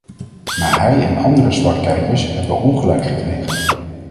Maar hij en andere zwartkijkers hebben ongelijk gekregen.